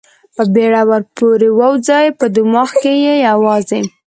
په بېړه ور پورې ووځي، په دماغ کې یې یوازې.